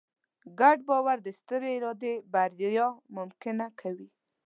ګډ باور د سترې ادارې بریا ممکنه کوي.